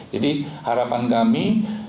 jadi harapan kami